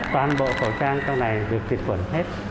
toàn bộ khẩu trang trong này được tiệt khuẩn hết